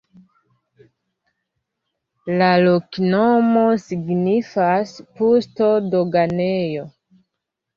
La loknomo signifas: pusto-doganejo.